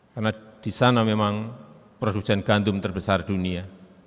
karena di sana memang produksi gandum terbesar dunia